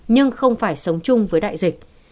nhưng không phải sống chung với đại dịch